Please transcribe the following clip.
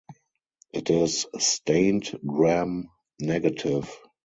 It is stained gram-negative.